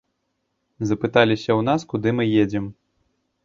Запыталіся ў нас, куды мы едзем.